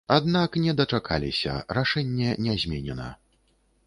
Аднак не дачакаліся, рашэнне не зменена.